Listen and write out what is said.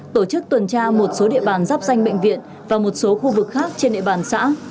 tổ chức tuần tra một số địa bàn giáp danh bệnh viện và một số khu vực khác trên địa bàn xã